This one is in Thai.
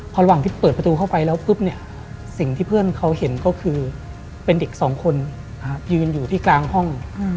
พอระหว่างที่เปิดประตูเข้าไปแล้วปุ๊บเนี่ยสิ่งที่เพื่อนเขาเห็นก็คือเป็นเด็กสองคนยืนอยู่ที่กลางห้อง